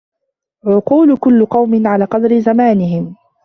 عقول كل قوم على قَدْرِ زمانهم